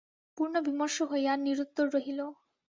পূর্ণ বিমর্ষ হইয়া নিরুত্তর রহিল।